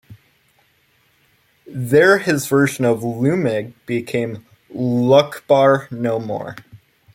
There his version of "Luimnigh" became "Lochabar No More.